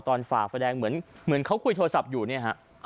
ฝ่าไฟแดงเหมือนเขาคุยโทรศัพท์อยู่เนี่ยฮะ